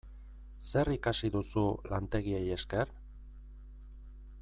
Zer ikasi duzu lantegiei esker?